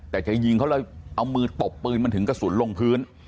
แต่จะยิงเขาแล้วเอามือตบปืนมันถึงกระสุนลงพื้น